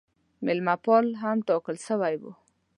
مېلمه پال هم ټاکل سوی وو.